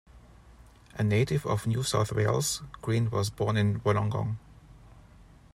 A native of New South Wales, Green was born in Wollongong.